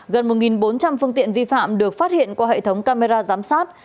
gần một bốn trăm linh phương tiện vi phạm được phát hiện qua hệ thống camera giám sát